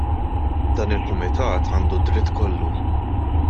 Dan il-Kumitat għandu d-dritt kollu.